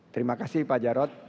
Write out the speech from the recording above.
terima kasih pak jarod